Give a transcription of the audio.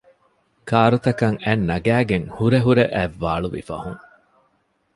ކާރުތަކަށް އަތް ނަގައިގެން ހުރެ ހުރެ އަތް ވާޅުވި ފަހުން